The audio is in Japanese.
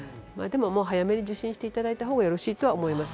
早めに受診していただいた方がよろしいと思います。